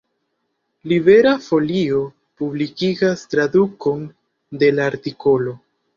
Libera Folio publikigas tradukon de la artikolo.